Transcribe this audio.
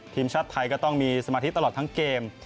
เดิมชัดไทยต้องมีสมาธิตตลอดทั้งเกม